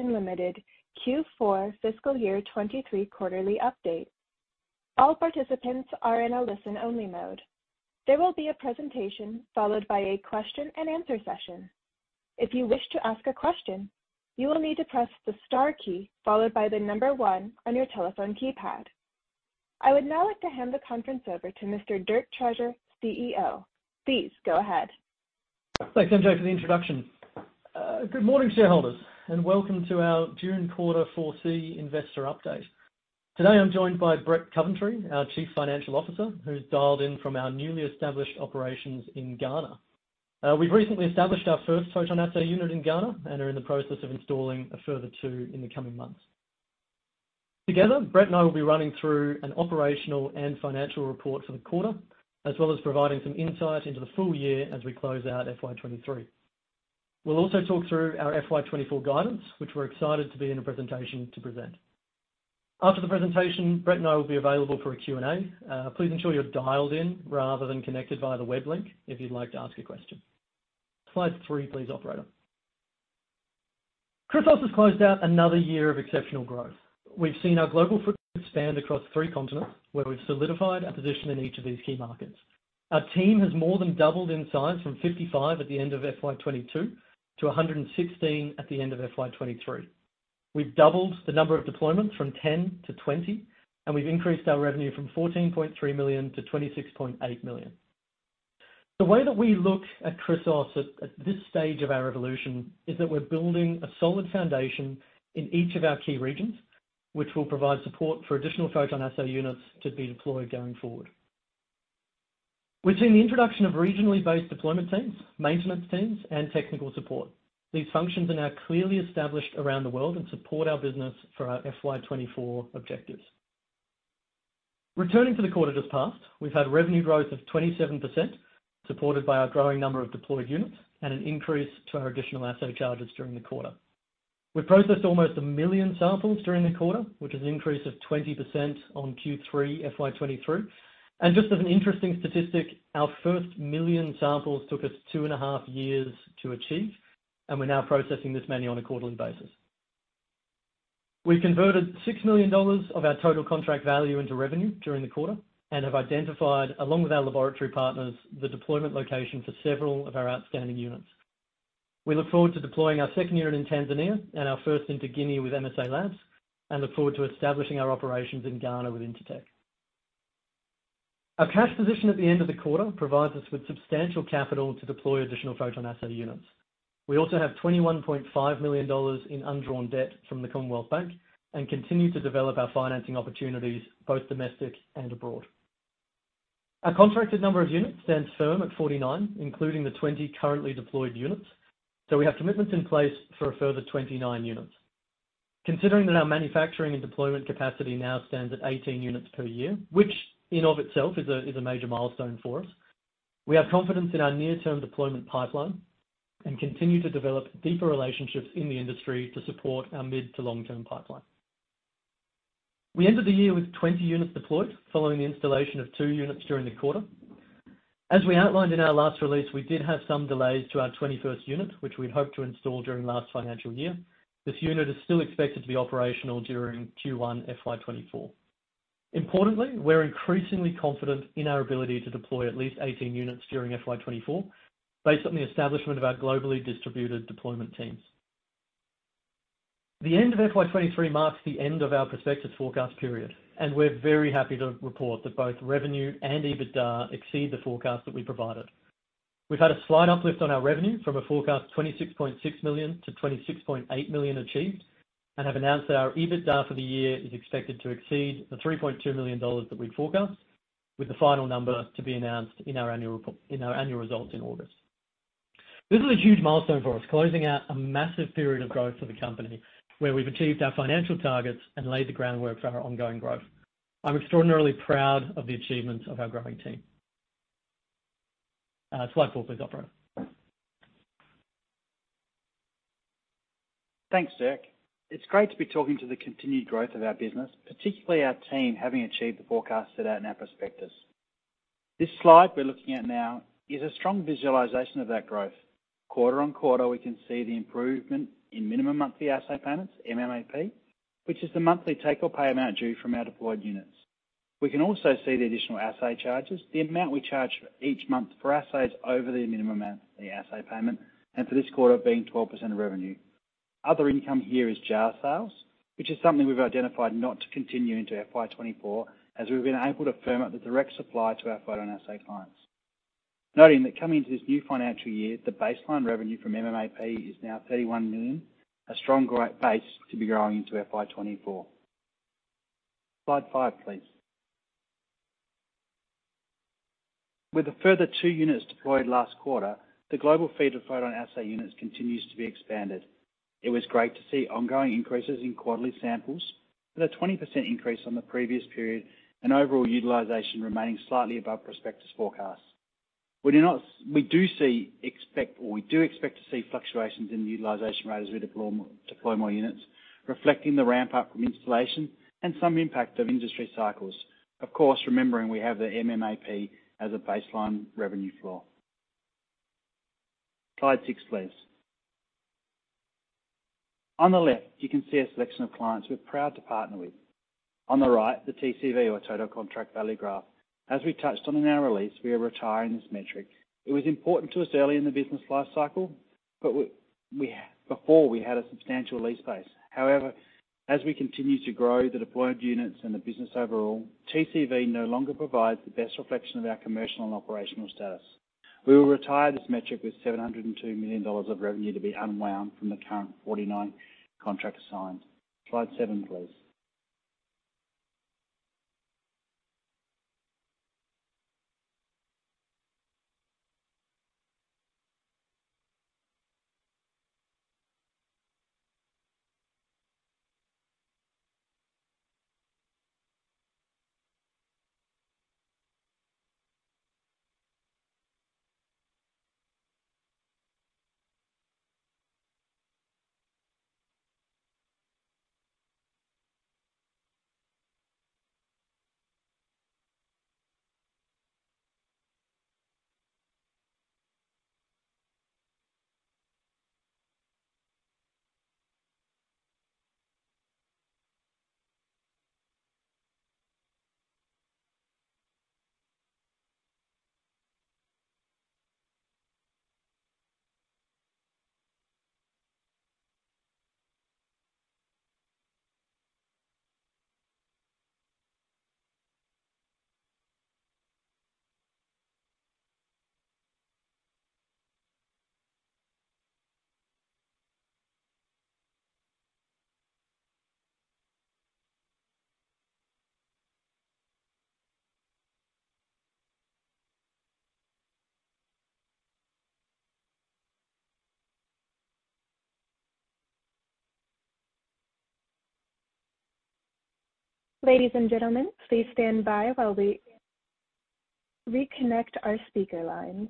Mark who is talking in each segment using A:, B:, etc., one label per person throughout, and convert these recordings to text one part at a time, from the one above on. A: Limited Q4 Fiscal Year 2023 Quarterly Update. All participants are in a listen-only mode. There will be a presentation followed by a question-and-answer session. If you wish to ask a question, you will need to press the star key followed by the one on your telephone keypad. I would now like to hand the conference over to Mr. Dirk Treasure, CEO. Please go ahead.
B: Thanks, MJ, for the introduction. Good morning, shareholders, welcome to our June Quarter 4C Investor Update. Today, I'm joined by Brett Coventry, our Chief Financial Officer, who's dialed in from our newly established operations in Ghana. We've recently established our first PhotonAssay unit in Ghana and are in the process of installing a further two in the coming months. Together, Brett and I will be running through an operational and financial report for the quarter, as well as providing some insight into the full year as we close out FY 2023. We'll also talk through our FY 2024 guidance, which we're excited to be in a presentation to present. After the presentation, Brett and I will be available for a Q&A. Please ensure you're dialed in rather than connected via the web link if you'd like to ask a question. Slide three, please, operator. Chrysos has closed out another year of exceptional growth. We've seen our global footprint expand across three continents, where we've solidified our position in each of these key markets. Our team has more than doubled in size from 55 at the end of FY 2022 to 116 at the end of FY 2023. We've doubled the number of deployments from 10 to 20. We've increased our revenue from 14.3 million to 26.8 million. The way that we look at Chrysos at this stage of our evolution is that we're building a solid foundation in each of our key regions, which will provide support for additional PhotonAssay units to be deployed going forward. We've seen the introduction of regionally based deployment teams, maintenance teams, and technical support. These functions are now clearly established around the world and support our business for our FY 2024 objectives. Returning to the quarter just past, we've had revenue growth of 27%, supported by our growing number of deployed units and an increase to our Additional Assay Charges during the quarter. We processed almost a million samples during the quarter, which is an increase of 20% on Q3 FY 2023. Just as an interesting statistic, our first million samples took us two and a half years to achieve, and we're now processing this many on a quarterly basis. We've converted 6 million dollars of our total contract value into revenue during the quarter and have identified, along with our laboratory partners, the deployment location for several of our outstanding units. We look forward to deploying our second unit in Tanzania and our first into Guinea with MSALABS. Look forward to establishing our operations in Ghana with Intertek. Our cash position at the end of the quarter provides us with substantial capital to deploy additional PhotonAssay units. We also have 21.5 million dollars in undrawn debt from the Commonwealth Bank. Continue to develop our financing opportunities, both domestic and abroad. Our contracted number of units stands firm at 49, including the 20 currently deployed units. We have commitments in place for a further 29 units. Considering that our manufacturing and deployment capacity now stands at 18 units per year, which in of itself is a major milestone for us, we have confidence in our near-term deployment pipeline and continue to develop deeper relationships in the industry to support our mid to long-term pipeline. We ended the year with 20 units deployed, following the installation of two units during the quarter. As we outlined in our last release, we did have some delays to our 21st unit, which we'd hoped to install during last financial year. This unit is still expected to be operational during Q1 FY 2024. Importantly, we're increasingly confident in our ability to deploy at least 18 units during FY 2024, based on the establishment of our globally distributed deployment teams. The end of FY 2023 marks the end of our prospectus forecast period, and we're very happy to report that both revenue and EBITDA exceed the forecast that we provided. We've had a slight uplift on our revenue from a forecast 26.6 million to 26.8 million achieved, and have announced that our EBITDA for the year is expected to exceed the 3.2 million dollars that we'd forecast, with the final number to be announced in our annual report, in our annual results in August. This is a huge milestone for us, closing out a massive period of growth for the company, where we've achieved our financial targets and laid the groundwork for our ongoing growth. I'm extraordinarily proud of the achievements of our growing team. Slide four, please, operator.
C: Thanks, Dirk. It's great to be talking to the continued growth of our business, particularly our team, having achieved the forecast set out in our prospectus. This slide we're looking at now is a strong visualization of that growth. Quarter-on-quarter, we can see the improvement in Minimum Monthly Assay Payments, MMAP, which is the monthly take or pay amount due from our deployed units. We can also see the Additional Assay Charges, the amount we charge for each month for Assay over the minimum amount, the Assay payment, and for this quarter being 12% of revenue. Other income here is jar sales, which is something we've identified not to continue into FY 2024, as we've been able to firm up the direct supply to our PhotonAssay clients. Noting that coming into this new financial year, the baseline revenue from MMAP is now 31 million, a strong growth base to be growing into FY 2024. Slide five, please. With a further two units deployed last quarter, the global fleet of PhotonAssay units continues to be expanded. It was great to see ongoing increases in quarterly samples, with a 20% increase on the previous period and overall utilization remaining slightly above prospectus forecasts. We do expect to see fluctuations in the utilization rate as we deploy more units reflecting the ramp-up from installation and some impact of industry cycles. Of course, remembering we have the MMAP as a baseline revenue floor. Slide six, please. On the left, you can see a selection of clients we're proud to partner with. On the right, the TCV, or Total Contract Value graph. As we touched on in our release, we are retiring this metric. It was important to us early in the business life cycle, but we before we had a substantial lease base. However, as we continue to grow the deployed units and the business overall, TCV no longer provides the best reflection of our commercial and operational status. We will retire this metric with 702 million dollars of revenue to be unwound from the current 49 contract signs. Slide seven please.
A: Ladies and gentlemen, please stand by while we reconnect our speaker lines.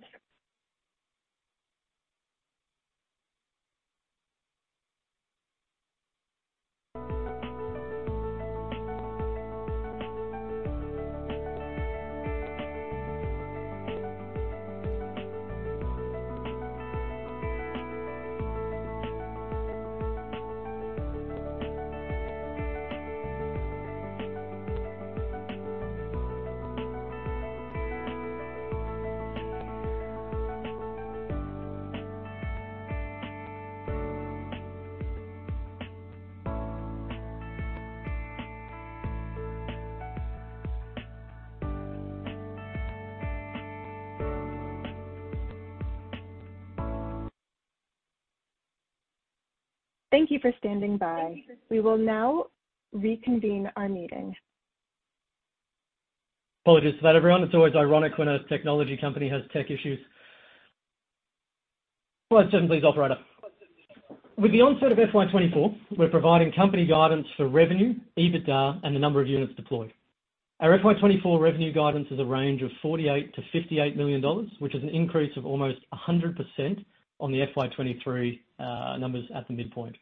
A: Thank you for standing by. We will now reconvene our meeting.
B: Apologies for that, everyone. It's always ironic when a technology company has tech issues. Slide seven, please, operator. With the onset of FY 2024, we're providing company guidance for revenue, EBITDA, and the number of units deployed. Our FY 2024 revenue guidance is a range of 48 million-58 million dollars, which is an increase of almost 100% on the FY 2023 numbers at the midpoint.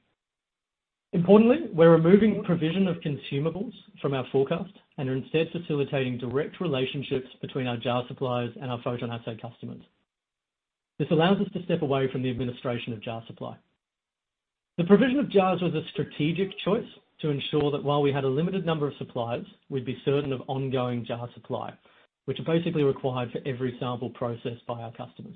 B: Importantly, we're removing provision of consumables from our forecast and are instead facilitating direct relationships between our jar suppliers and our PhotonAssay customers. This allows us to step away from the administration of jar supply. The provision of jars was a strategic choice to ensure that while we had a limited number of suppliers, we'd be certain of ongoing jar supply, which are basically required for every sample processed by our customers.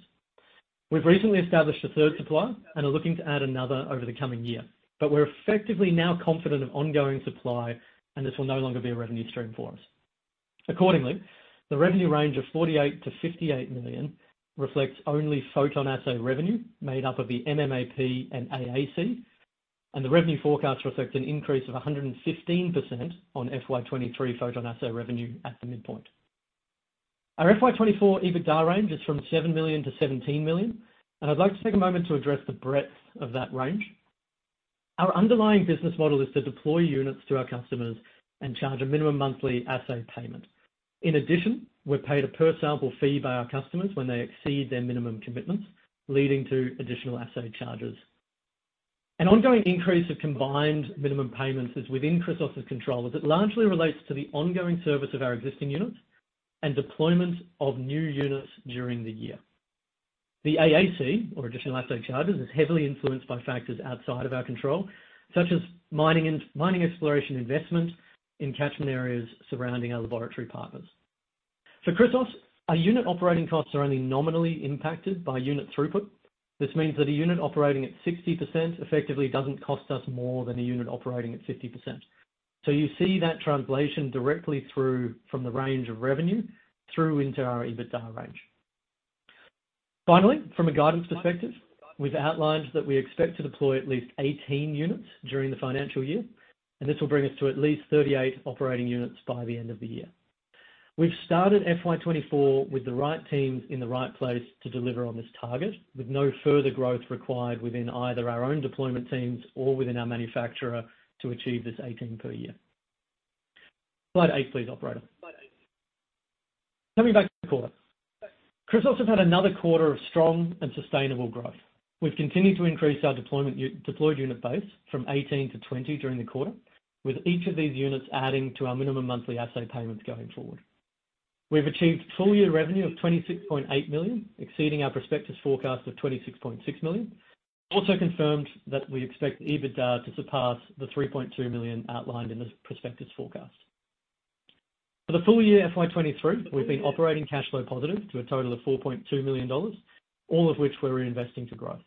B: We've recently established a third supplier and are looking to add another over the coming year, but we're effectively now confident of ongoing supply, and this will no longer be a revenue stream for us. Accordingly, the revenue range of 48 million-58 million reflects only PhotonAssay revenue made up of the MMAP and AAC, and the revenue forecasts reflect an increase of 115% on FY 2023 PhotonAssay revenue at the midpoint. Our FY 2024 EBITDA range is from 7 million-17 million, and I'd like to take a moment to address the breadth of that range. Our underlying business model is to deploy units to our customers and charge a Minimum Monthly Assay Payment. In addition, we're paid a per-sample fee by our customers when they exceed their minimum commitments, leading to Additional Assay Charges. An ongoing increase of combined minimum payments is within Chrysos's control, as it largely relates to the ongoing service of our existing units and deployment of new units during the year. The AAC, or Additional Assay Charges, is heavily influenced by factors outside of our control, such as mining exploration investment in catchment areas surrounding our laboratory partners. For Chrysos, our unit operating costs are only nominally impacted by unit throughput. This means that a unit operating at 60% effectively doesn't cost us more than a unit operating at 50%. You see that translation directly through from the range of revenue through into our EBITDA range. Finally, from a guidance perspective, we've outlined that we expect to deploy at least 18 units during the financial year, and this will bring us to at least 38 operating units by the end of the year. We've started FY 2024 with the right teams in the right place to deliver on this target, with no further growth required within either our own deployment teams or within our manufacturer to achieve this 18 per year. Slide eight please, operator. Coming back to quarter. Chrysos has had another quarter of strong and sustainable growth. We've continued to increase our deployment unit base from 18 to 20 during the quarter, with each of these units adding to our Minimum Monthly Assay Payments going forward. We've achieved full year revenue of 26.8 million, exceeding our prospectus forecast of 26.6 million. Also confirmed that we expect EBITDA to surpass the 3.2 million outlined in the prospectus forecast. For the full year FY 2023, we've been operating cash flow positive to a total of 4.2 million dollars, all of which we're investing to grow.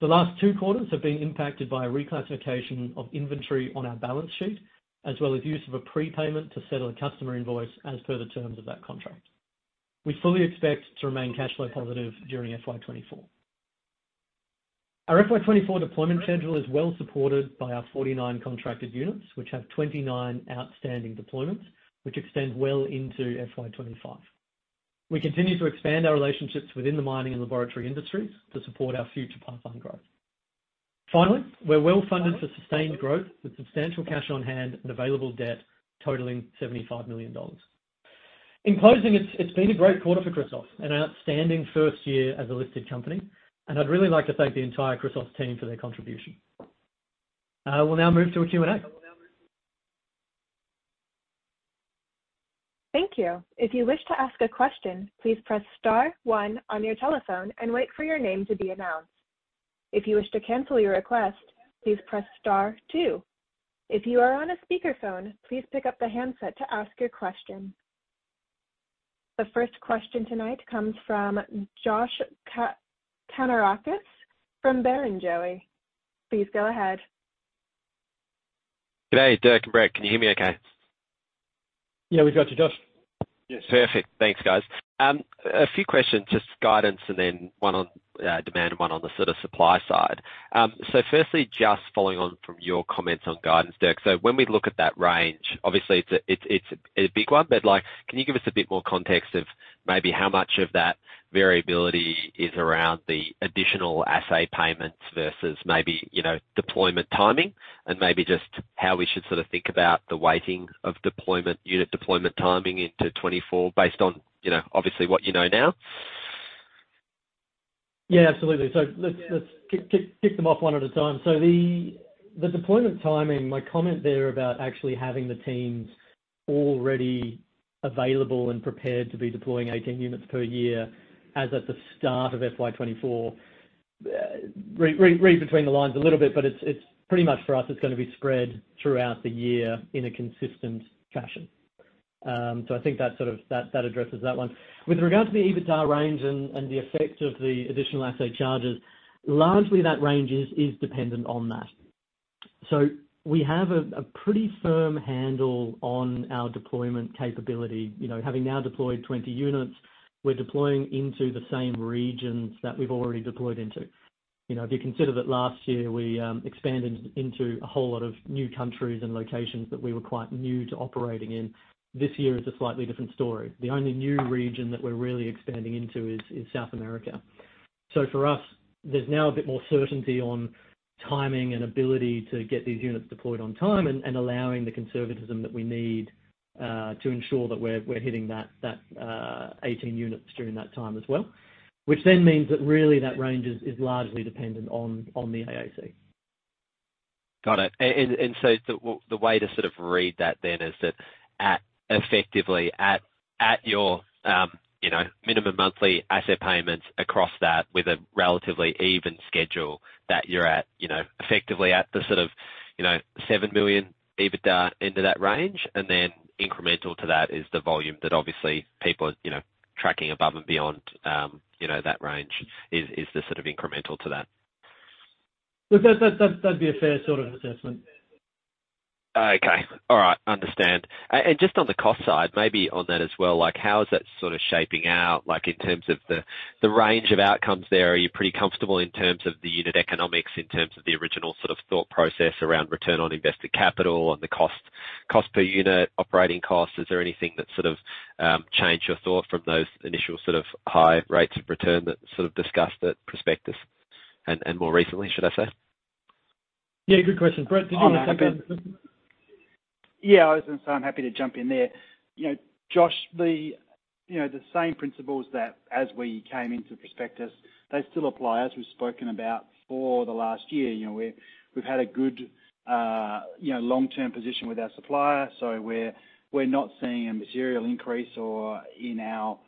B: The last two quarters have been impacted by a reclassification of inventory on our balance sheet, as well as use of a prepayment to settle a customer invoice as per the terms of that contract. We fully expect to remain cash flow positive during FY 2024. Our FY 2024 deployment schedule is well supported by our 49 contracted units, which have 29 outstanding deployments, which extend well into FY 2025. We continue to expand our relationships within the mining and laboratory industries to support our future pipeline growth. We're well funded for sustained growth, with substantial cash on hand and available debt totaling 75 million dollars. In closing, it's been a great quarter for Chrysos, an outstanding first year as a listed company, and I'd really like to thank the entire Chrysos team for their contribution. We'll now move to a Q&A.
A: Thank you. If you wish to ask a question, please press star one on your telephone and wait for your name to be announced. If you wish to cancel your request, please press star two. If you are on a speakerphone, please pick up the handset to ask your question. The first question tonight comes from Josh Kannourakis from Barrenjoey. Please go ahead.
D: G'day, Dirk and Brett. Can you hear me okay?
B: Yeah, we've got you, Josh.
D: Perfect. Thanks, guys. A few questions, just guidance and then one on demand and one on the sort of supply side. Firstly, just following on from your comments on guidance, Dirk. When we look at that range, obviously it's a big one, but like, can you give us a bit more context of maybe how much of that variability is around the Additional Assay payments versus maybe, you know, deployment timing? Maybe just how we should sort of think about the waiting of deployment, unit deployment timing into 2024, based on, you know, obviously what you know now.
B: Yeah, absolutely. Let's kick them off one at a time. The deployment timing, my comment there about actually having the teams already available and prepared to be deploying 18 units per year, as at the start of FY 2024. Read between the lines a little bit, but it's pretty much for us, it's gonna be spread throughout the year in a consistent fashion. I think that sort of, that addresses that one. With regard to the EBITDA range and the effect of the additional assay charges, largely that range is dependent on that. We have a pretty firm handle on our deployment capability. You know, having now deployed 20 units, we're deploying into the same regions that we've already deployed into. You know, if you consider that last year we expanded into a whole lot of new countries and locations that we were quite new to operating in, this year is a slightly different story. The only new region that we're really expanding into is South America. For us, there's now a bit more certainty on timing and ability to get these units deployed on time and allowing the conservatism that we need to ensure that we're hitting that 18 units during that time as well, which then means that really that range is largely dependent on the AAC.
D: Got it. The way to sort of read that then, is that at effectively at your, you know, Minimum Monthly Assay Payments across that with a relatively even schedule, that you're at, you know, effectively at the sort of, you know, 7 million EBITDA into that range, incremental to that is the volume that obviously people are, you know, tracking above and beyond, you know, that range is the sort of incremental to that.
B: That be a fair sort of assessment.
D: Okay. All right. Understand. Just on the cost side, maybe on that as well, like, how is that sort of shaping out? Like, in terms of the range of outcomes there, are you pretty comfortable in terms of the unit economics, in terms of the original sort of thought process around return on invested capital and the cost per unit, operating cost? Is there anything that sort of changed your thought from those initial sort of high rates of return, that sort of discussed that prospectus and more recently, should I say?
B: Yeah, good question. Brett, did you want to jump in?
C: Yeah, I was gonna say, I'm happy to jump in there. You know, Josh, you know, the same principles that as we came into prospectus, they still apply. As we've spoken about for the last year, you know, we've had a good, long-term position with our supplier, so we're not seeing a material increase or in our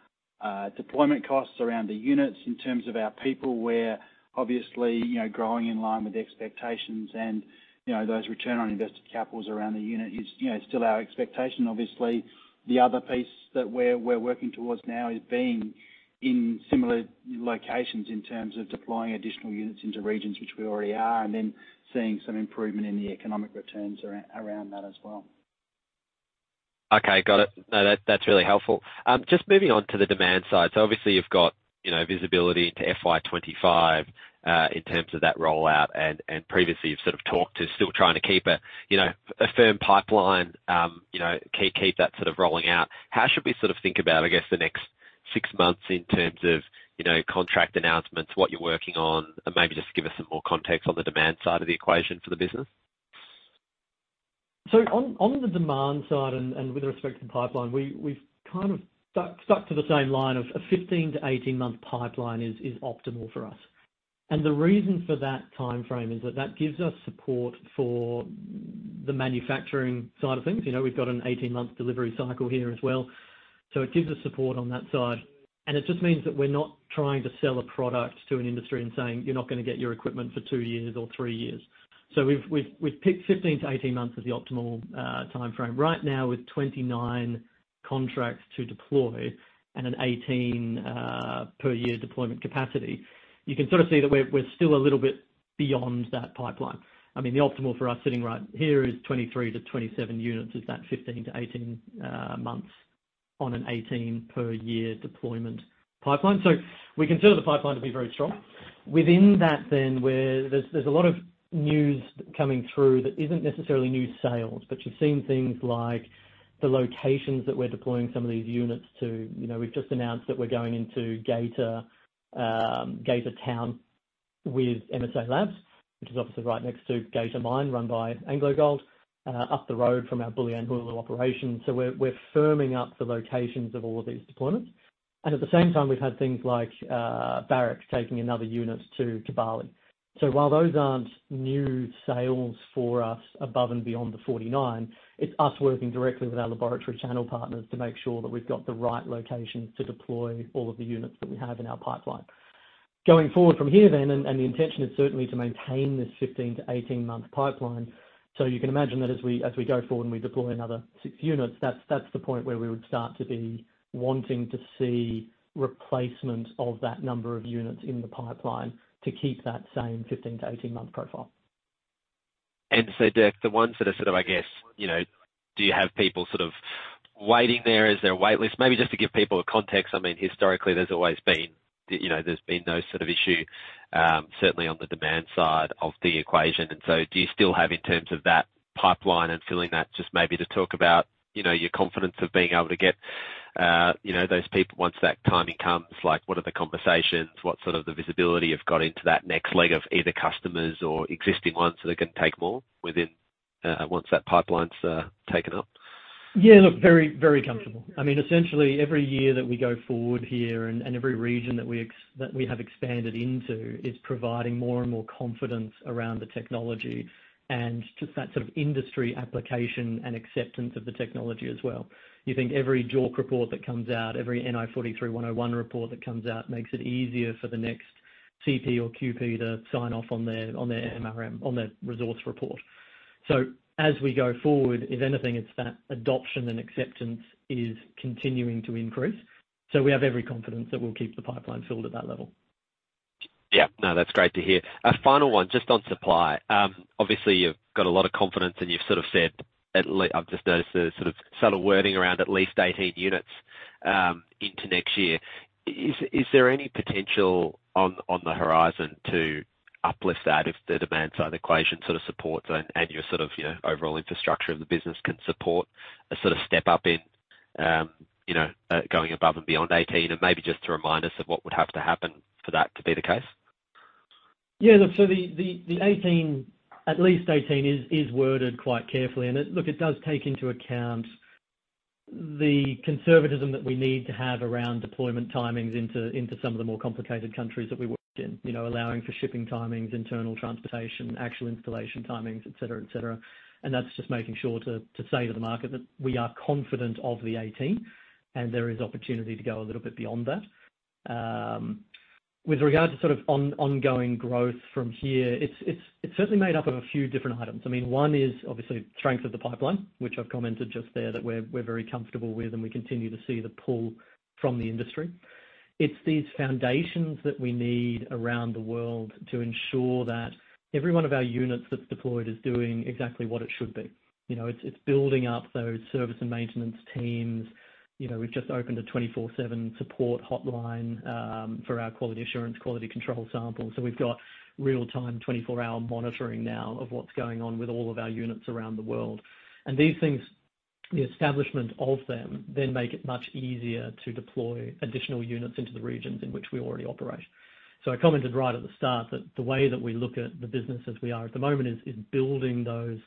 C: deployment costs around the units. In terms of our people, we're obviously, you know, growing in line with the expectations and, you know, those return on invested capital around the unit is, you know, still our expectation. Obviously, the other piece that we're working towards now is being in similar locations in terms of deploying additional units into regions which we already are, and then seeing some improvement in the economic returns around that as well.
D: Okay, got it. No, that's really helpful. Just moving on to the demand side. Obviously, you've got, you know, visibility into FY 2025 in terms of that rollout, and previously you've sort of talked to still trying to keep a, you know, a firm pipeline, you know, keep that sort of rolling out. How should we sort of think about, I guess, the next six months in terms of, you know, contract announcements, what you're working on, and maybe just give us some more context on the demand side of the equation for the business?
B: On the demand side and with respect to the pipeline, we've kind of stuck to the same line of a 15–18 month pipeline is optimal for us. The reason for that timeframe is that gives us support for the manufacturing side of things. You know, we've got an 18-month delivery cycle here as well. It gives us support on that side, and it just means that we're not trying to sell a product to an industry and saying, "You're not gonna get your equipment for two years or three years." We've picked 15–18 months as the optimal timeframe. Right now, with 29 contracts to deploy and an 18 per year deployment capacity, you can sort of see that we're still a little bit beyond that pipeline. I mean, the optimal for us sitting right here is 23–27 units, is that 15–18 months on an 18 per year deployment pipeline. We consider the pipeline to be very strong. Within that, where there's a lot of news coming through that isn't necessarily new sales, but you've seen things like the locations that we're deploying some of these units to. You know, we've just announced that we're going into Geita Town with MSALABS, which is obviously right next to Geita Mine, run by AngloGold, up the road from our Bulyanhulu operation. We're firming up the locations of all of these deployments. At the same time, we've had things like Barrick taking another unit to Bali. While those aren't new sales for us above and beyond the 49, it's us working directly with our laboratory channel partners to make sure that we've got the right locations to deploy all of the units that we have in our pipeline. Going forward from here, the intention is certainly to maintain this 15–18 month pipeline. You can imagine that as we go forward and we deploy another six units, that's the point where we would start to be wanting to see replacement of that number of units in the pipeline to keep that same 15–18 month profile.
D: Dirk, the ones that are sort of, I guess, you know, do you have people sort of waiting there? Is there a waitlist? Maybe just to give people a context, I mean, historically, there's always been, you know, there's been no sort of issue, certainly on the demand side of the equation. Do you still have, in terms of that pipeline and filling that, just maybe to talk about, you know, your confidence of being able to get, you know, those people once that timing comes? Like, what are the conversations? What sort of the visibility you've got into that next leg of either customers or existing ones that are gonna take more within, once that pipeline's taken up?
B: Yeah, look, very, very comfortable. I mean, essentially, every year that we go forward here and every region that we have expanded into, is providing more and more confidence around the technology and just that sort of industry application and acceptance of the technology as well. You think every JORC report that comes out, every NI 43-101 report that comes out makes it easier for the next CP or QP to sign off on their MRM on their resource report. As we go forward, if anything, it's that adoption and acceptance is continuing to increase. We have every confidence that we'll keep the pipeline filled at that level.
D: Yeah. No, that's great to hear. Final one, just on supply. Obviously, you've got a lot of confidence, and you've sort of said, I've just noticed a sort of subtle wording around at least 18 units into next year. Is there any potential on the horizon to uplift that if the demand side equation sort of supports and your sort of, you know, overall infrastructure of the business can support a sort of step-up in, you know, going above and beyond 18? Maybe just to remind us of what would have to happen for that to be the case.
B: Yeah, look, the 18, at least 18, is worded quite carefully. Look, it does take into account the conservatism that we need to have around deployment timings into some of the more complicated countries that we work in. You know, allowing for shipping timings, internal transportation, actual installation timings, et cetera, et cetera. That's just making sure to say to the market that we are confident of the 18, and there is opportunity to go a little bit beyond that. With regard to sort of ongoing growth from here, it's certainly made up of a few different items. I mean, one is obviously strength of the pipeline, which I've commented just there, that we're very comfortable with, and we continue to see the pull from the industry. It's these foundations that we need around the world to ensure that every one of our units that's deployed is doing exactly what it should be. You know, it's building up those service and maintenance teams. You know, we've just opened a 24/7 support hotline for our quality assurance, quality control samples. We've got real-time, 24-hour monitoring now of what's going on with all of our units around the world. These things, the establishment of them, then make it much easier to deploy additional units into the regions in which we already operate. I commented right at the start that the way that we look at the business as we are at the moment is building those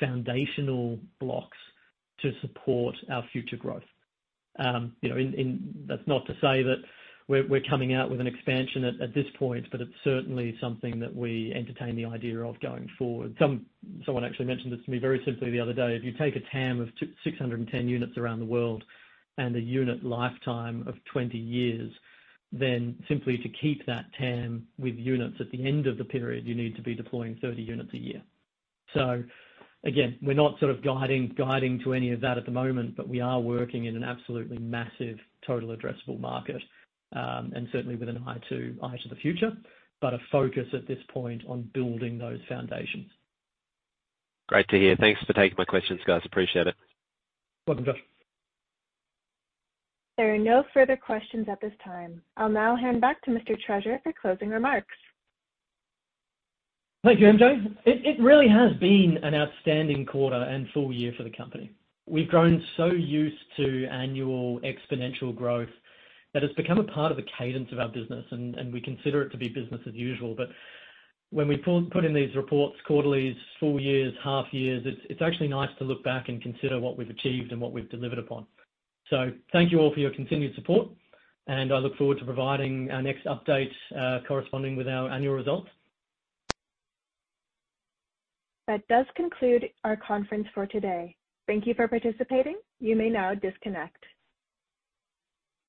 B: foundational blocks to support our future growth. You know, and that's not to say that we're coming out with an expansion at this point, but it's certainly something that we entertain the idea of going forward. Someone actually mentioned this to me very simply the other day: If you take a TAM of 610 units around the world and a unit lifetime of 20 years, then simply to keep that TAM with units at the end of the period, you need to be deploying 30 units a year. Again, we're not sort of guiding to any of that at the moment, but we are working in an absolutely massive, total addressable market, and certainly with an eye to the future, but a focus at this point on building those foundations.
D: Great to hear. Thanks for taking my questions, guys. Appreciate it.
B: Welcome, Josh.
A: There are no further questions at this time. I'll now hand back to Mr. Treasure for closing remarks.
B: Thank you, MJ. It really has been an outstanding quarter and full year for the company. We've grown so used to annual exponential growth that it's become a part of the cadence of our business, and we consider it to be business as usual. When we put in these reports, quarterlies, full years, half years, it's actually nice to look back and consider what we've achieved and what we've delivered upon. Thank you all for your continued support, and I look forward to providing our next update, corresponding with our annual results.
A: That does conclude our conference for today. Thank Thank you for participating. You may now disconnect.